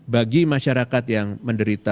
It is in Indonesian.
bagi masyarakat yang menderita